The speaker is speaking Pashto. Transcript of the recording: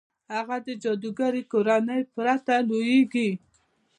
هغه د جادوګرې کورنۍ پرته لوېږي.